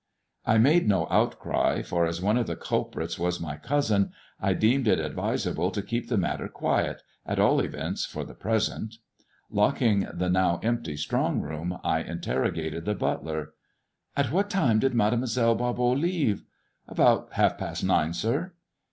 I made no outcry, for as one of the culprits was my cousin, I deemed it advisable to keep the matter quiet, at all events for the present. Locking the now empty strong room, I interrogated the butler. At what time did Mademoiselle Bar hot leave ]"" About half past nine, sir."